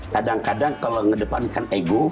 kadang kadang kalau ngedepankan ego